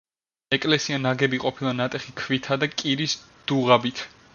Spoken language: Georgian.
ეკლესია ნაგები ყოფილა ნატეხი ქვითა და კირის დუღაბით.